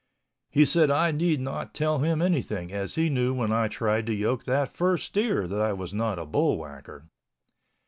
He said I need not tell him anything as he knew when I tried to yoke that first steer that I was not a bullwhacker.